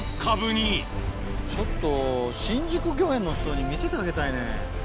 ちょっと新宿御苑の人に見せてあげたいね。